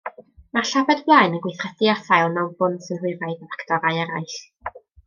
Mae'r llabed blaen yn gweithredu ar sail mewnbwn synhwyraidd a ffactorau eraill.